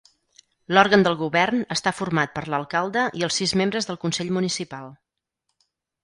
L'òrgan del govern està format per l'alcalde i els sis membres del Consell Municipal.